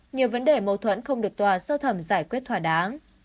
nhiều vấn đề mâu thuẫn không được tòa sơ thẩm giải quyết thỏa đáng